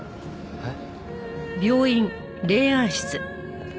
えっ？